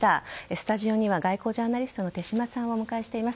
スタジオには外交ジャーナリスト手嶋さんをお迎えしています。